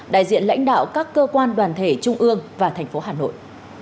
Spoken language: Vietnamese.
đại diện lãnh đạo các cơ quan đoàn thể trung ương và thành phố hà nội